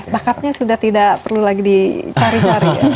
bakatnya sudah tidak perlu lagi dicari cari